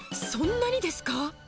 そんなにですか。